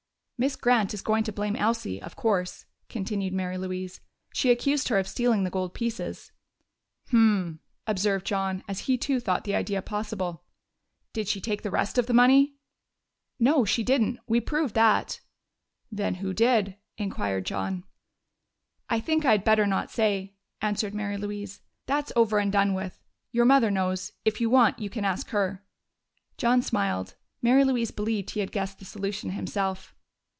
"Miss Grant is going to blame Elsie, of course," continued Mary Louise. "She accused her of stealing the gold pieces." "Hm!" observed John, as if he too thought the idea possible. "Did she take the rest of the money?" "No, she didn't. We proved that." "Then who did?" inquired John. "I think I had better not say," answered Mary Louise. "That's over and done with. Your mother knows if you want, you can ask her." John smiled. Mary Louise believed he had guessed the solution himself.